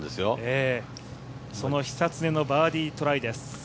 その久常のバーディートライです。